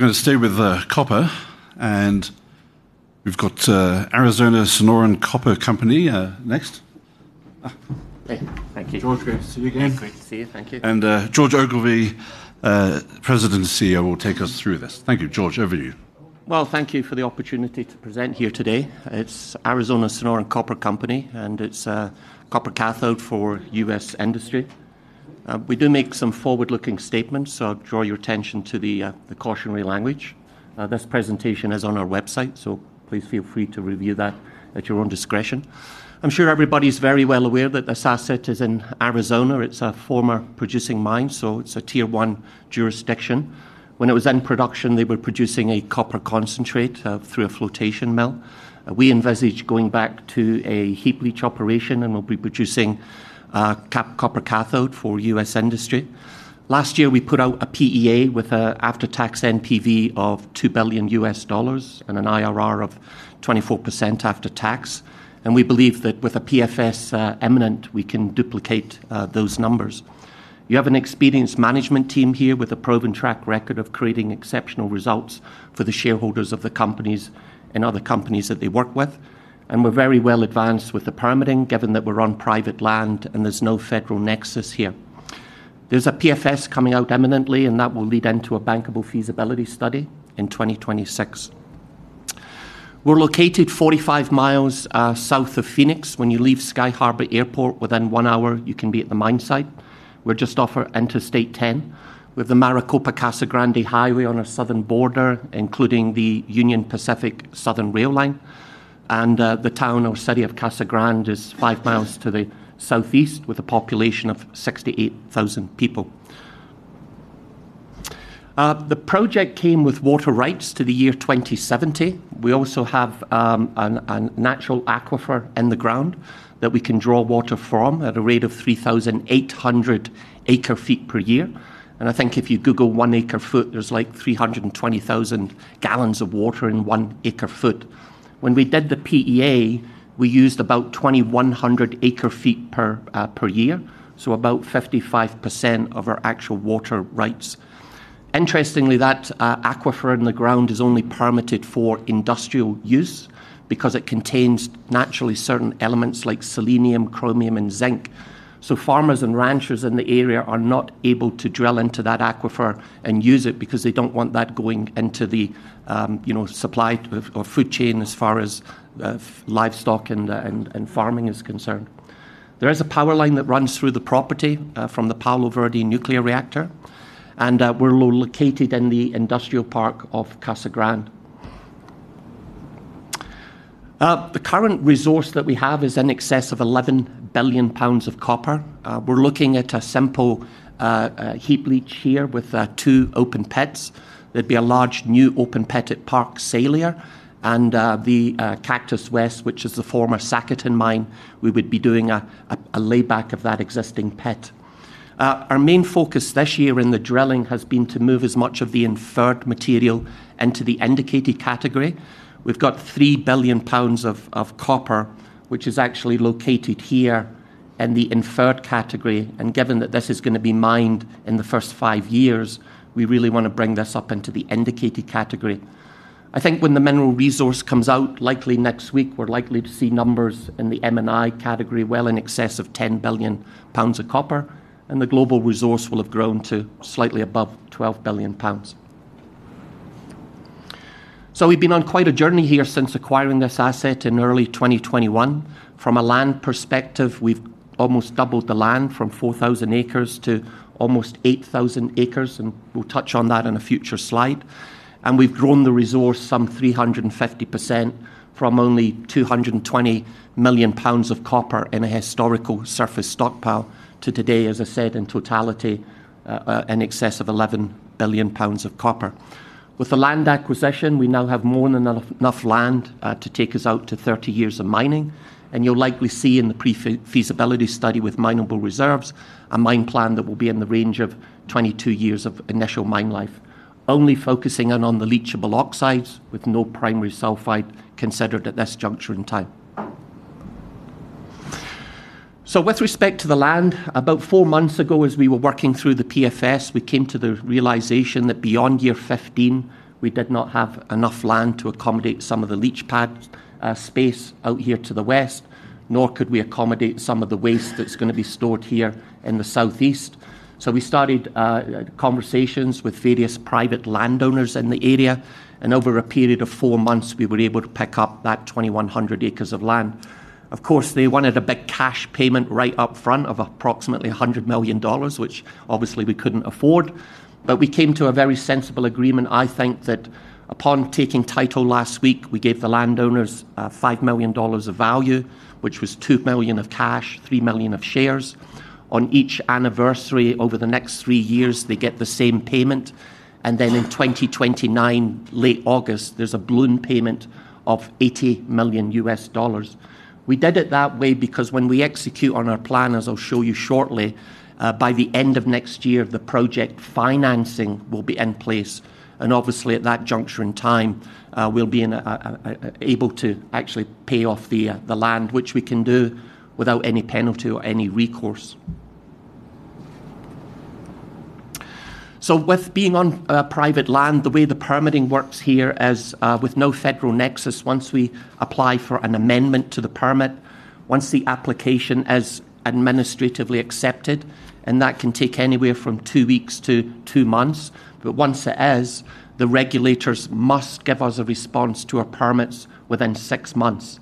We're going to stay with copper, and we've got Arizona Sonoran Copper Company next. Thank you. George, great to see you again. It's great to see you. Thank you. George Ogilvie, President and CEO, will take us through this. Thank you, George. Over to you. Thank you for the opportunity to present here today. It's Arizona Sonoran Copper Company, and it's a copper cathode for U.S. industry. We do make some forward-looking statements, so I'll draw your attention to the cautionary language. This presentation is on our website, so please feel free to review that at your own discretion. I'm sure everybody's very well aware that the asset is in Arizona. It's a former producing mine, so it's a Tier 1 jurisdiction. When it was in production, they were producing a copper concentrate through a flotation mill. We envisage going back to a heap leach operation and will be producing a copper cathode for U.S. industry. Last year, we put out a PEA with an after-tax NPV of $2 billion and an IRR of 24% after-tax, and we believe that with a PFS imminent, we can duplicate those numbers. You have an experienced management team here with a proven track record of creating exceptional results for the shareholders of the companies and other companies that they work with, and we're very well advanced with the permitting given that we're on private land and there's no federal nexus here. There's a PFS coming out imminently, and that will lead into a bankable feasibility study in 2026. We're located 45 miles south of Phoenix. When you leave Sky Harbor Airport within one hour, you can be at the mine site. We're just off of Interstate 10. We have the Maricopa-Casa Grande Highway on our southern border, including the Union Pacific Southern Rail Line, and the town or city of Casa Grande is five miles to the southeast with a population of 68,000 people. The project came with water rights to the year 2070. We also have a natural aquifer in the ground that we can draw water from at a rate of 3,800 acre-feet per year, and I think if you Google one acre-foot, there's like 320,000 gallons of water in one acre-foot. When we did the PEA, we used about 2,100 acre-feet per year, so about 55% of our actual water rights. Interestingly, that aquifer in the ground is only permitted for industrial use because it contains naturally certain elements like selenium, chromium, and zinc. Farmers and ranchers in the area are not able to drill into that aquifer and use it because they don't want that going into the supply or food chain as far as livestock and farming is concerned. There is a power line that runs through the property from the Palo Verde nuclear reactor, and we're located in the industrial park of Casa Grande. The current resource that we have is in excess of 11 billion pounds of copper. We're looking at a simple heap leach here with two open pits. There'd be a large new open pit at Parks/Salyer and the Cactus West, which is a former Sacaton mine. We would be doing a layback of that existing pit. Our main focus this year in the drilling has been to move as much of the inferred material into the indicated category. We've got 3 billion pounds of copper, which is actually located here in the inferred category, and given that this is going to be mined in the first five years, we really want to bring this up into the indicated category. I think when the mineral resource comes out, likely next week, we're likely to see numbers in the M&I category well in excess of 10 billion pounds of copper, and the global resource will have grown to slightly above 12 billion pounds. We've been on quite a journey here since acquiring this asset in early 2021. From a land perspective, we've almost doubled the land from 4,000 acres to almost 8,000 acres, and we'll touch on that in a future slide. We've grown the resource some 350% from only 220 million pounds of copper in a historical surface stockpile to today, as I said, in totality, in excess of 11 billion pounds of copper. With the land acquisition, we now have more than enough land to take us out to 30 years of mining, and you'll likely see in the pre-feasibility study with minable reserves a mine plan that will be in the range of 22 years of initial mine life, only focusing in on the leachable oxides with no primary sulfide considered at this juncture in time. With respect to the land, about four months ago, as we were working through the PFS, we came to the realization that beyond year 15, we did not have enough land to accommodate some of the leach pad space out here to the west, nor could we accommodate some of the waste that's going to be stored here in the southeast. We started conversations with various private landowners in the area, and over a period of four months, we were able to pick up that 2,100 acres of land. Of course, they wanted a big cash payment right up front of approximately $100 million, which obviously we couldn't afford, but we came to a very sensible agreement. I think that upon taking title last week, we gave the landowners $5 million of value, which was $2 million of cash, $3 million of shares. On each anniversary over the next three years, they get the same payment, and then in 2029, late August, there's a balloon payment of $80 million U.S. dollars. We did it that way because when we execute on our plan, as I'll show you shortly, by the end of next year, the project financing will be in place, and obviously at that juncture in time, we'll be able to actually pay off the land, which we can do without any penalty or any recourse. With being on private land, the way the permitting works here is with no federal nexus. Once we apply for an amendment to the permit, once the application is administratively accepted, and that can take anywhere from two weeks to two months, but once it is, the regulators must give us a response to our permits within six months.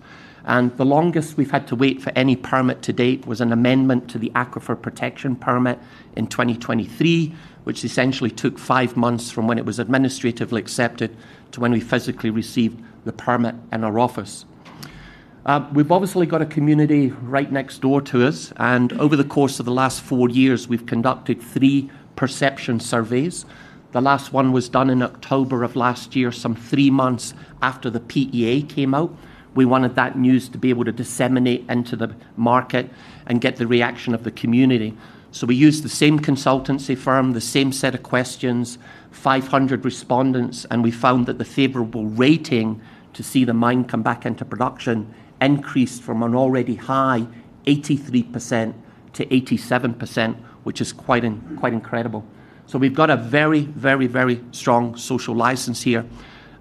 The longest we've had to wait for any permit to date was an amendment to the aquifer protection permit in 2023, which essentially took five months from when it was administratively accepted to when we physically received the permit in our office. We've obviously got a community right next door to us, and over the course of the last four years, we've conducted three perception surveys. The last one was done in October of last year, some three months after the PEA came out. We wanted that news to be able to disseminate into the market and get the reaction of the community. We used the same consultancy firm, the same set of questions, 500 respondents, and we found that the favorable rating to see the mine come back into production increased from an already high 83%-87%, which is quite incredible. We've got a very, very, very strong social license here.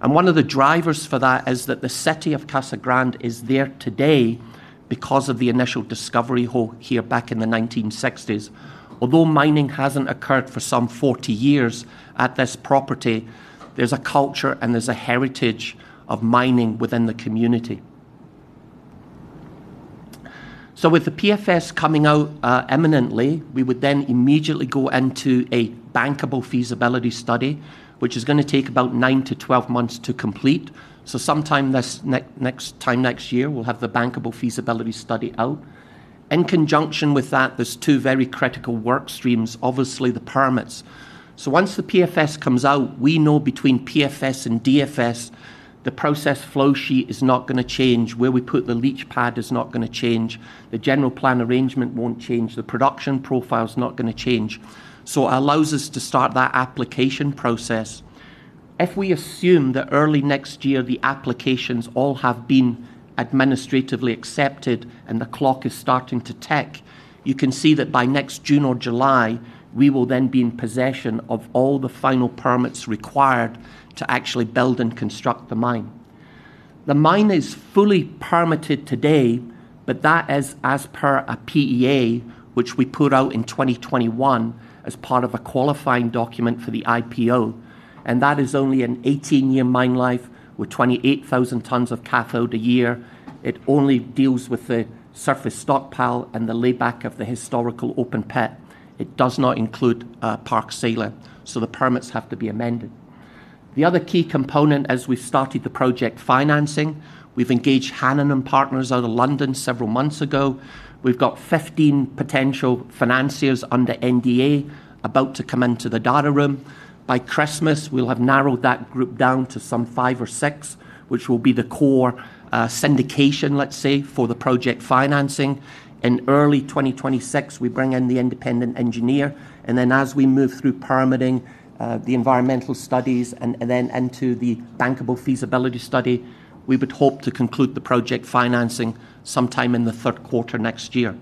One of the drivers for that is that the city of Casa Grande is there today because of the initial discovery hole here back in the 1960s. Although mining hasn't occurred for some 40 years at this property, there's a culture and there's a heritage of mining within the community. With the PFS coming out imminently, we would then immediately go into a bankable feasibility study, which is going to take about 9 to 12 months to complete. Sometime this next time next year, we'll have the bankable feasibility study out. In conjunction with that, there's two very critical work streams, obviously the permits. Once the PFS comes out, we know between PFS and DFS, the process flow sheet is not going to change, where we put the leach pad is not going to change, the general plan arrangement won't change, the production profile is not going to change. It allows us to start that application process. If we assume that early next year, the applications all have been administratively accepted and the clock is starting to tick, you can see that by next June or July, we will then be in possession of all the final permits required to actually build and construct the mine. The mine is fully permitted today, but that is as per a PEA, which we put out in 2021 as part of a qualifying document for the IPO. That is only an 18-year mine life with 28,000 tons of cathode a year. It only deals with the surface stockpile and the layback of the historical open pit. It does not include Park Salier. The permits have to be amended. The other key component, as we started the project financing, we've engaged Hannan & Partners out of London several months ago. We've got 15 potential financiers under NDA about to come into the data room. By Christmas, we'll have narrowed that group down to some five or six, which will be the core syndication, let's say, for the project financing. In early 2026, we bring in the independent engineer, and as we move through permitting, the environmental studies, and then into the bankable feasibility study, we would hope to conclude the project financing sometime in the third quarter next year.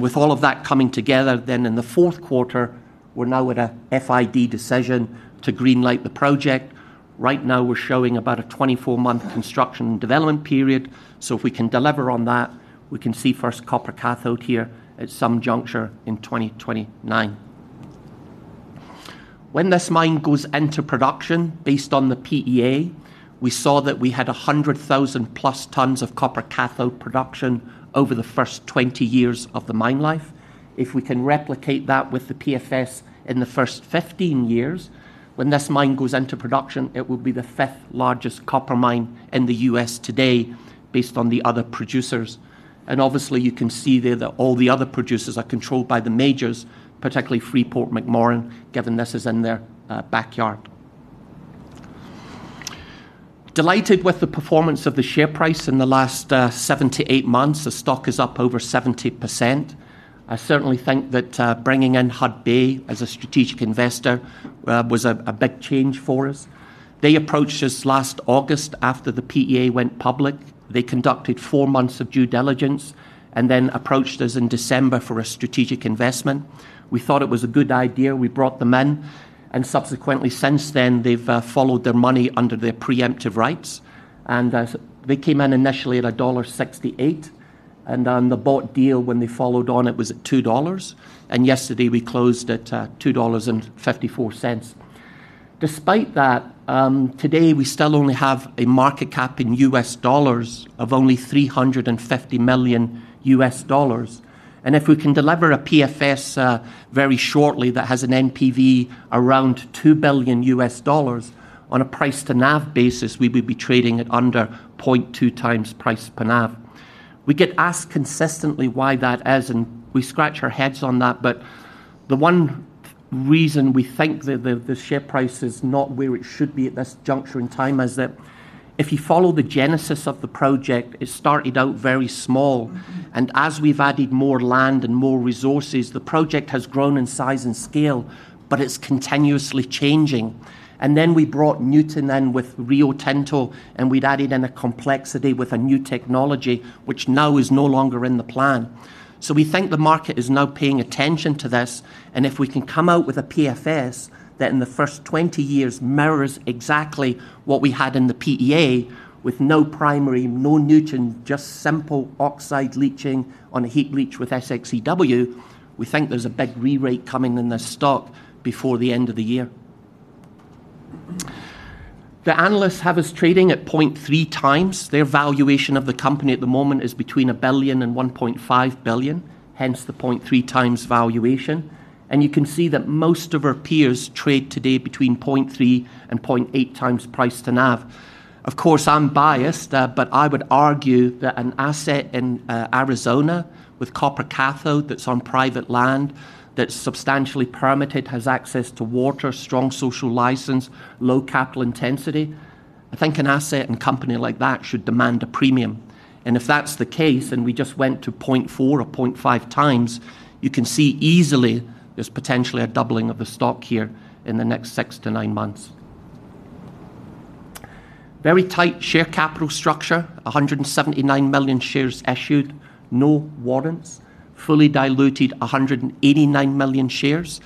With all of that coming together, then in the fourth quarter, we're now at a FID decision to greenlight the project. Right now, we're showing about a 24-month construction and development period. If we can deliver on that, we can see first copper cathode here at some juncture in 2029. When this mine goes into production, based on the PEA, we saw that we had 100,000 plus tons of copper cathode production over the first 20 years of the mine life. If we can replicate that with the PFS in the first 15 years, when this mine goes into production, it will be the fifth largest copper mine in the U.S. today, based on the other producers. Obviously, you can see there that all the other producers are controlled by the majors, particularly Freeport-McMoRan, given this is in their backyard. Delighted with the performance of the share price in the last seven to eight months, the stock is up over 70%. I certainly think that bringing in Hudbay as a strategic investor was a big change for us. They approached us last August after the PEA went public. They conducted four months of due diligence and then approached us in December for a strategic investment. We thought it was a good idea. We brought them in, and subsequently, since then, they've followed their money under their preemptive rights. They came in initially at $1.68, and on the bought deal, when they followed on, it was at $2. Yesterday, we closed at $2.54. Despite that, today, we still only have a market cap in U.S. dollars of only $350 million. If we can deliver a PFS very shortly that has an after-tax NPV around $2 billion U.S. dollars, on a price-to-NAV basis, we would be trading at under 0.2x price per NAV. We get asked consistently why that is, and we scratch our heads on that, but the one reason we think that the share price is not where it should be at this juncture in time is that if you follow the genesis of the project, it started out very small. As we've added more land and more resources, the project has grown in size and scale, but it's continuously changing. We brought Newton in with Rio Tinto, and we'd added in a complexity with a new technology, which now is no longer in the plan. We think the market is now paying attention to this, and if we can come out with a PFS that in the first 20 years mirrors exactly what we had in the PEA, with no primary, no Newton, just simple oxide leaching on a heap leach with SXEW processing, we think there's a big re-rate coming in this stock before the end of the year. The analysts have us trading at 0.3x. Their valuation of the company at the moment is between $1 billion and $1.5 billion, hence the 0.3x valuation. You can see that most of our peers trade today between 0.3x-0.8x price to NAV. Of course, I'm biased, but I would argue that an asset in Arizona with copper cathodes that's on private land, that's substantially permitted, has access to water, strong social license, low capital intensity, I think an asset and company like that should demand a premium. If that's the case, and we just went to 0.4x or 0.5x, you can see easily there's potentially a doubling of the stock here in the next six to nine months. Very tight share capital structure, 179 million shares issued, no warrants, fully diluted 189 million shares.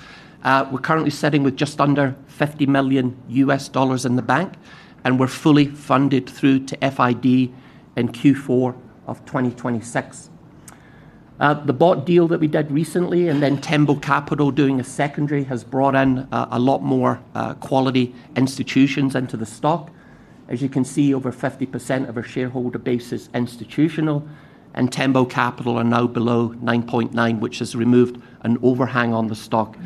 We're currently sitting with just under $50 million U.S. Dollars in the bank, and we're fully funded through to FID in Q4 of 2026. The bought deal that we did recently and then Tembo Capital doing a secondary has brought in a lot more quality institutions into the stock. As you can see, over 50% of our shareholder base is institutional, and Tembo Capital are now below 9.9%, which has removed an overhang on the stock.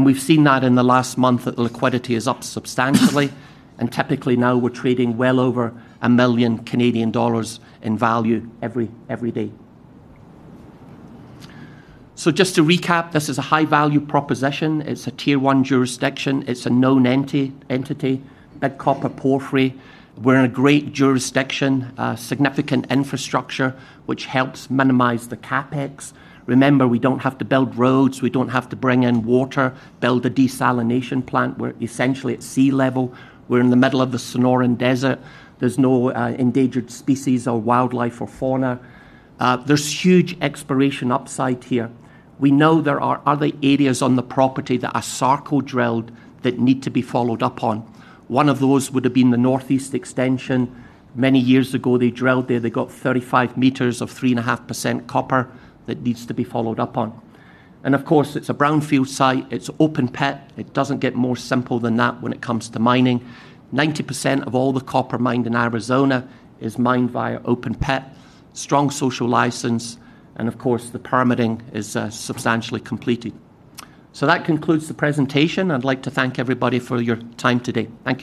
We've seen that in the last month that the liquidity is up substantially, and typically now we're trading well over $1 million Canadian dollars in value every day. Just to recap, this is a high-value proposition. It's a Tier 1 jurisdiction. It's a known entity, big copper porphyry. We're in a great jurisdiction, significant infrastructure, which helps minimize the CapEx. Remember, we don't have to build roads. We don't have to bring in water, build a desalination plant. We're essentially at sea level. We're in the middle of the Sonoran Desert. There's no endangered species or wildlife or fauna. There's huge exploration upside here. We know there are other areas on the property that are sarco-drilled that need to be followed up on. One of those would have been the northeast extension. Many years ago, they drilled there. They got 35 meters of 3.5% copper that needs to be followed up on. Of course, it's a brownfield site. It's open pit. It doesn't get more simple than that when it comes to mining. 90% of all the copper mined in Arizona is mined via open pit, strong social license, and the permitting is substantially completed. That concludes the presentation. I'd like to thank everybody for your time today. Thank you.